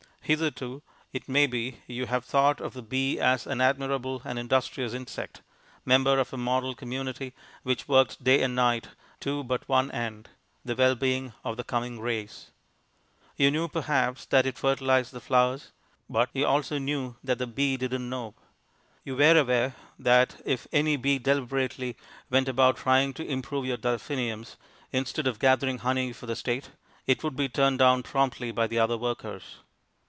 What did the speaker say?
Hitherto, it may be, you have thought of the bee as an admirable and industrious insect, member of a model community which worked day and night to but one end the well being of the coming race. You knew perhaps that it fertilized the flowers, but you also knew that the bee didn't know; you were aware that, it any bee deliberately went about trying to improve your delphiniums instead of gathering honey for the State, it would be turned down promptly by the other workers.